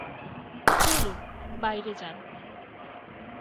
চলুন, বাইরে যান।